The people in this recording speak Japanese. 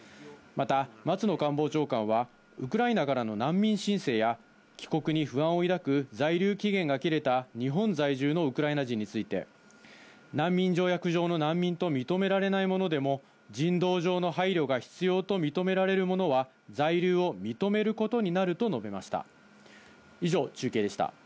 また、松野官房長官は、ウクライナからの難民申請や、帰国に不安を抱く在留期限が切れた日本在住のウクライナ人について、難民条約上の難民と認められない者でも、人道上の配慮が必要と認められるものは、在留を認めることになると述べました。